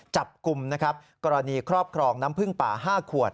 จับกลุ่มนะครับกรณีครอบครองน้ำพึ่งป่า๕ขวด